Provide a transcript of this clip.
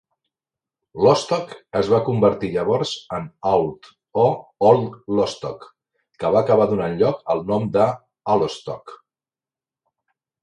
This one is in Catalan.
Lostock es va convertir llavors en "Auld" o "Old Lostock", que va acabar donant lloc al nom de Allostock.